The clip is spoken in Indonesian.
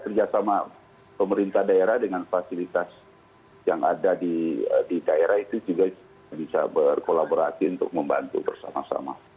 kerjasama pemerintah daerah dengan fasilitas yang ada di daerah itu juga bisa berkolaborasi untuk membantu bersama sama